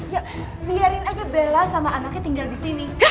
ya biarin aja bella sama anaknya tinggal disini